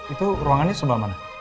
itu ruangannya sebelah mana